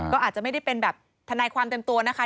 ก็อาจจะไม่ได้เป็นแบบทนายความเต็มตัวนะคะ